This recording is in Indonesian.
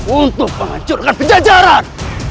untuk menghancurkan penjajaran